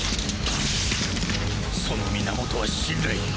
その源は信頼。